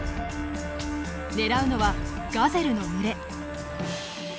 狙うのはガゼルの群れ。